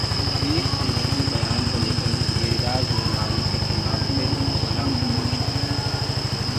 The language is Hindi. बीफ संबंधी बयान को लेकर गिरिराज ने लालू के खिलाफ फिर खोला मोर्चा